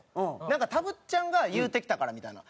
なんかたぶっちゃんが言うてきたからみたいな。